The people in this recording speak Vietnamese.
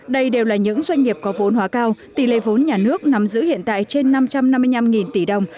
đây đều là những doanh nghiệp có vốn hóa cao tỷ lệ vốn nhà nước nắm giữ hiện tại trên năm trăm năm mươi năm tỷ đồng